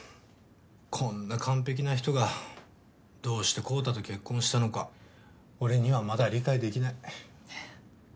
こんな完璧な人がどうして昂太と結婚したのか俺にはまだ理解できない。